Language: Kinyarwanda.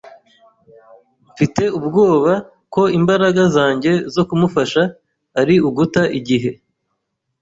Mfite ubwoba ko imbaraga zanjye zo kumufasha ari uguta igihe.